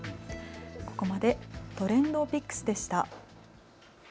ここまでＴｒｅｎｄＰｉｃｋｓでした。